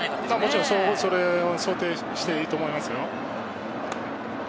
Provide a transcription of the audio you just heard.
もちろん、それを想定していると思いますよ。